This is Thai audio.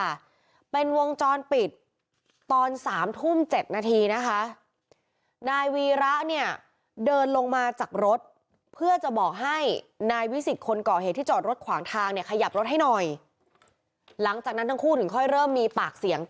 หลังจากนั้นทั้งคู่ถึงค่อยเริ่มมีปากเสียงกันค่ะ